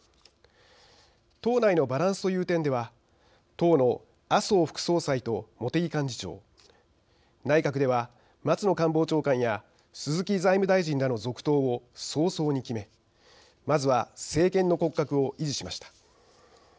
党内のバランスという点では党の麻生副総裁と茂木幹事長内閣では松野官房長官や鈴木財務大臣らの続投を早々に決めまずは政権の骨格を維持しました。